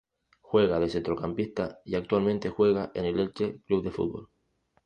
Juega de centrocampista y actualmente juega en el Elche Club de Fútbol.